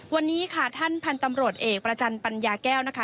วันนี้ค่ะท่านพันธุ์ตำรวจเอกประจันปัญญาแก้วนะคะ